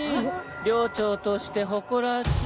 寮長として誇らしい。